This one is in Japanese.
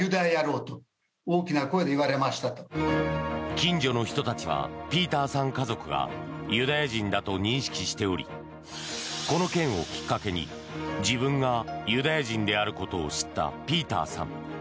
近所の人たちはピーターさん家族がユダヤ人だと認識しておりこの件をきっかけに自分がユダヤ人であることを知ったピーターさん。